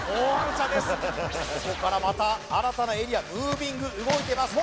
ここからまた新たなエリアムービング動いてます